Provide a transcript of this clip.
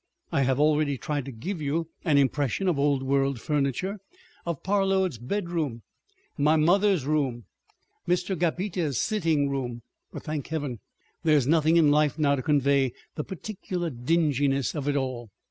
I have already tried to give you an impression of old world furniture, of Parload's bedroom, my mother's room, Mr. Gabbitas's sitting room, but, thank Heaven! there is nothing in life now to convey the peculiar dinginess of it all.